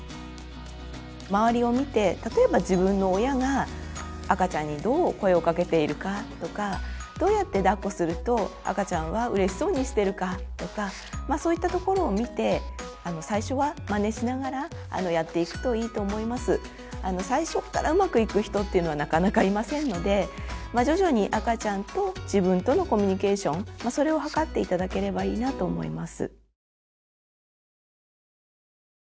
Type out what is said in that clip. まわりを見て例えば自分の親が赤ちゃんにどう声をかけているかとかどうやってだっこすると赤ちゃんはうれしそうにしてるかとかそういったところを見て最初からうまくいく人っていうのはなかなかいませんので徐々に赤ちゃんと自分とのコミュニケーションそれを図って頂ければいいなと思います。